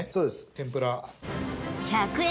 天ぷら１００円